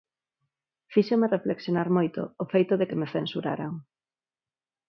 Fíxome reflexionar moito o feito de que me censuraran.